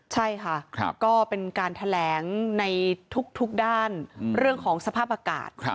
ใช่ค่ะก็เป็นการแถลงในทุกด้านเรื่องของสภาพอากาศ